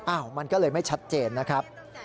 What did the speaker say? มันก็เลยไม่ชัดเจนนะครับ